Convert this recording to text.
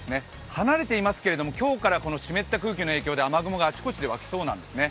離れていますけれども今日から湿った空気の影響で雨雲があちこちで湧きそうなんですね。